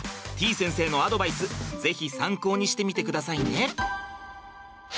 てぃ先生のアドバイス是非参考にしてみてくださいね！